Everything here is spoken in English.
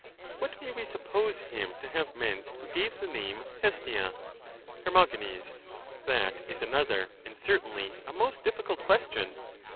What may we suppose him to have meant who gave the name Hestia? Her. That is another and certainly a most difficult question.